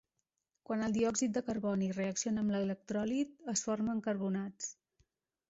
Quan el diòxid de carboni reacciona amb l'electròlit es formen carbonats.